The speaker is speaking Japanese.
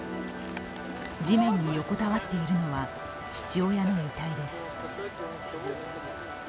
地面に横たわっているのは、父親の遺体です。